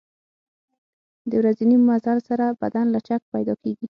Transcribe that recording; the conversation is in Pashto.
د ورځني مزل سره بدن لچک پیدا کېږي.